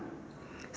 saya mau tanya